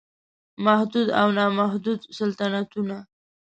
محدود او نا محدود سلطنتونه